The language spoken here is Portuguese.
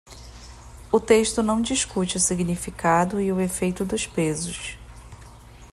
O texto não discute o significado e o efeito dos pesos.